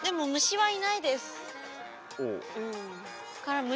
はい！